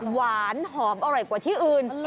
หวานหอมอร่อยกว่าที่อื่น